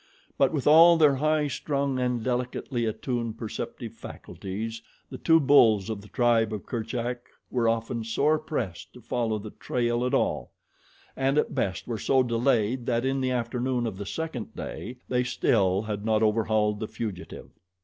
But with all their high strung and delicately attuned perceptive faculties the two bulls of the tribe of Kerchak were often sore pressed to follow the trail at all, and at best were so delayed that in the afternoon of the second day, they still had not overhauled the fugitive.